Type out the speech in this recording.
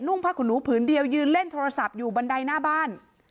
่งผ้าขนหนูผืนเดียวยืนเล่นโทรศัพท์อยู่บันไดหน้าบ้าน